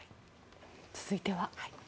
続いては。